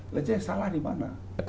lajar yang salah di mana